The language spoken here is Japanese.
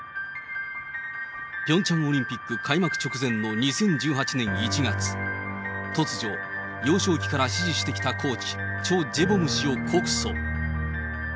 ピョンチャンオリンピック開幕直前の２０１８年１月、突如、幼少期から師事してきたコーチ、チョ・ジェボム氏を告訴。